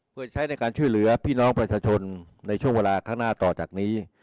เพื่อใช้ในการช่วยเหลือพี่น้องประชาชนในช่วงเวลาข้างหน้าต่อจากนี้